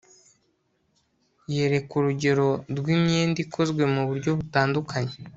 yerekwa urugero rw'imyenda ikozwe mu buryo butandukanye